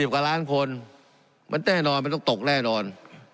กว่าล้านคนมันแน่นอนมันต้องตกแน่นอน